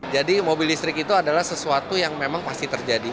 jadi mobil listrik itu adalah sesuatu yang memang pasti terjadi